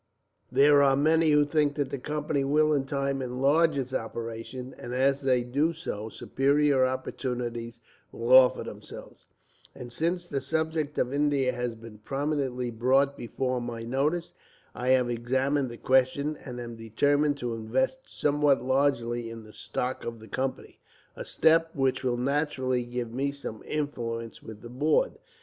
There are many who think that the Company will, in time, enlarge its operations; and as they do so, superior opportunities will offer themselves; and since the subject of India has been prominently brought before my notice, I have examined the question, and am determined to invest somewhat largely in the stock of the Company, a step which will naturally give me some influence with the board.